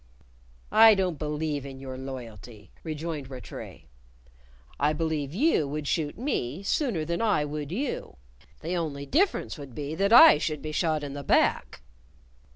"I don't believe in your loyalty," rejoined Rattray. "I believe you would shoot me sooner than I would you. The only difference would be than I should be shot in the back!"